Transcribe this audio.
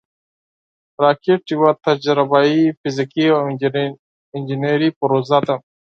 راکټ یوه تجربهاي، فزیکي او انجینري پروژه ده